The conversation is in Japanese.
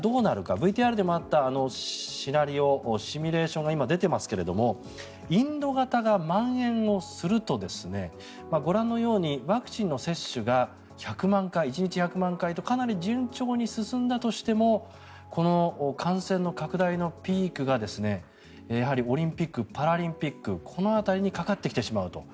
ＶＴＲでもあったシミュレーションが今、出ていますがインド型がまん延をするとご覧のようにワクチンの接種が１日１００万回とかなり順調に進んだとしてもこの感染の拡大のピークがオリンピック・パラリンピックこの辺りにかかってきてしまうと。